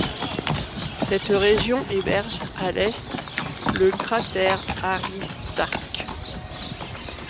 Cette région héberge à l'est le cratère Aristarque.